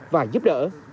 và giúp đỡ